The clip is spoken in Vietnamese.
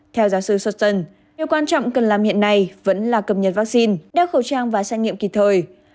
theo giáo sư soton điều quan trọng cần làm hiện nay vẫn là cập nhật vaccine đeo khẩu trang và xét nghiệm kịp thời